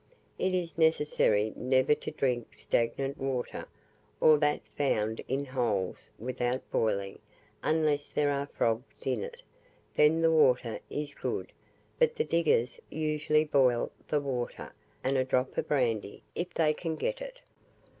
It is necessary never to drink stagnant water, or that found in holes, without boiling, unless there are frogs in it, then the water is good; but the diggers usually boil the water, and a drop of brandy, if they can get it.